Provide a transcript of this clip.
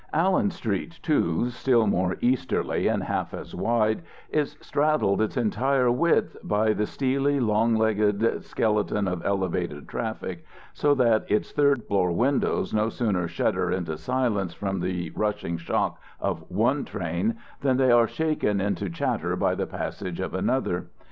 Allen Street, too, still more easterly and half as wide, is straddled its entire width by the steely, long legged skeleton of elevated traffic, so that its third floor windows no sooner shudder into silence from the rushing shock of one train than they are shaken into chatter by the passage of another.